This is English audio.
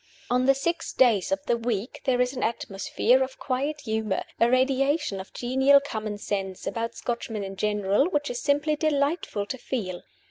On the six days of the week there is an atmosphere of quiet humor, a radiation of genial common sense, about Scotchmen in general, which is simply delightful to feel.